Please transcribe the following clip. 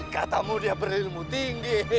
katamu dia berilmu tinggi